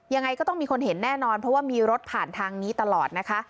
ยังไงก็ต้องมีคนเห็นแน่นอนเพราะว่ามีรถผ่านทางนี้ตลอดนะคะ